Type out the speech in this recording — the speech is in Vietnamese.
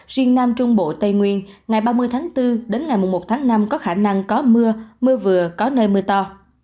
riêng nam trung bộ tây nguyên ngày ba mươi tháng bốn đến ngày một tháng năm có khả năng có mưa mưa vừa có nơi mưa to